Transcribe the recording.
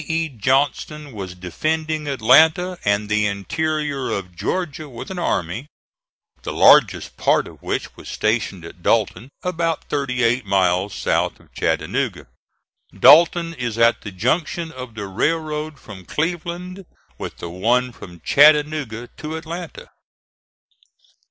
E. Johnston was defending Atlanta and the interior of Georgia with an army, the largest part of which was stationed at Dalton, about 38 miles south of Chattanooga. Dalton is at the junction of the railroad from Cleveland with the one from Chattanooga to Atlanta.